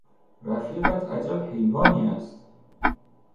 رفیقت عجب حیوانی است!